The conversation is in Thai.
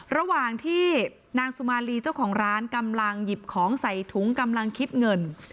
ระหว่างที่นางสุมาลีเจ้าของร้านกำลังหยิบของใส่ถุงกำลังคิดเงิน